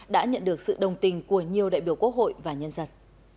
đã nhận được sự đồng tình của nhiều đại biểu quốc hội và nhân dân